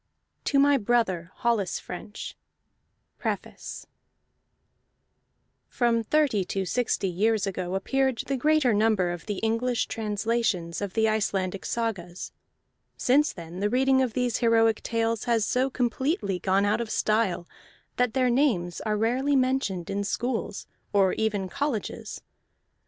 A. TO MY BROTHER HOLLIS FRENCH PREFACE From thirty to sixty years ago appeared the greater number of the English translations of the Icelandic sagas. Since then the reading of these heroic tales has so completely gone out of style that their names are rarely mentioned in schools or even colleges.